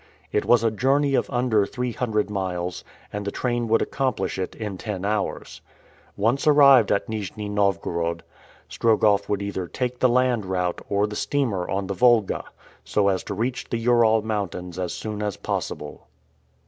It was a journey of under three hundred miles, and the train would accomplish it in ten hours. Once arrived at Nijni Novgorod, Strogoff would either take the land route or the steamer on the Volga, so as to reach the Ural Mountains as soon as possible.